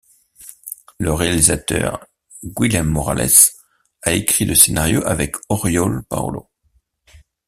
Le réalisateur Guillem Morales a écrit le scénario avec Oriol Paulo.